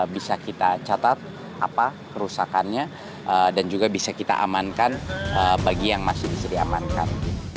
bisa kita catat apa kerusakannya dan juga bisa kita amankan bagi yang masih bisa diamankan